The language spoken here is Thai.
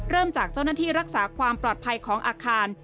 จากเจ้าหน้าที่รักษาความปลอดภัยของอาคาร